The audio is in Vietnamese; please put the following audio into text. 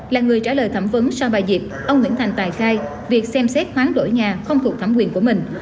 là người trả lời thẩm vấn so với bà diệp ông nguyễn thành tài khai việc xem xét hoán đổi nhà không thuộc thẩm quyền của mình